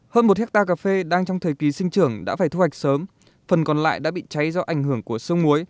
hơn một hectare cà phê đang trong thời kỳ sinh trưởng đã phải thu hoạch sớm phần còn lại đã bị cháy do ảnh hưởng của sương muối